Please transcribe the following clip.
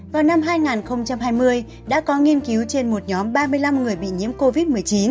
vào năm hai nghìn hai mươi đã có nghiên cứu trên một nhóm ba mươi năm người bị nhiễm covid một mươi chín